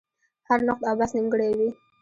هر نقد او بحث نیمګړی وي.